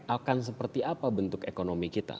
akan seperti apa bentuk ekonomi kita